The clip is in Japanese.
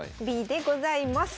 Ｂでございます。